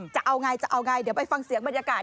จะเอาไงจะเอาไงเดี๋ยวไปฟังเสียงบรรยากาศ